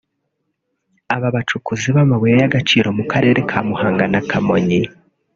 Aba bacukuzi b’amabuye y’agacirio mu Karere ka Muhanga na Kamonyi